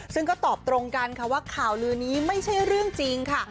ซึ่งก็ตอบตรงกันค่ะว่าข่าวลือนี้ไม่ใช่เรื่องจริงค่ะ